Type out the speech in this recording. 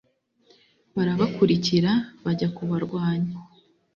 barabakurikira bajya kubarwanya